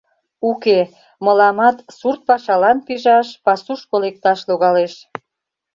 Уке, мыламат сурт пашалан пижаш, пасушко лекташ логалеш.